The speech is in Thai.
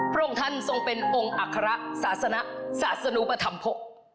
พระองค์ท่านทรงเป็นองค์อัคระศาสนุปธรรมภก